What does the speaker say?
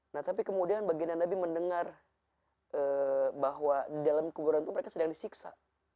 nah tapi kemudian baginda nabi mendengar bahwa di dalam kuburan itu mereka sedang disiksa